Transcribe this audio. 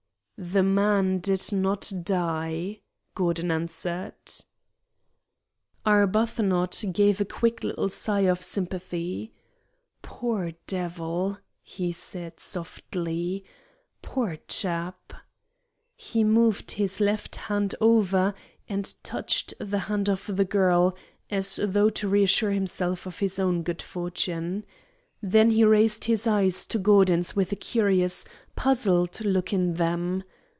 "The man did not die," Gordon answered. Arbuthnot gave a quick little sigh of sympathy. "Poor devil!" he said, softly; "poor chap!" He moved his left hand over and touched the hand of the girl, as though to reassure himself of his own good fortune. Then he raised his eyes to Gordon's with a curious, puzzled look in them.